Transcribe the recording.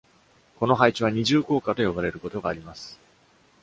この配置は、二重降下と呼ばれることがあります。